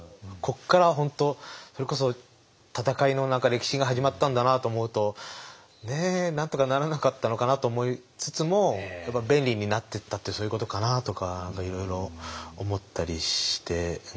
ここから本当それこそ戦いの歴史が始まったんだなあと思うとねなんとかならなかったのかなと思いつつもやっぱり便利になっていったってそういうことかなとかいろいろ思ったりして。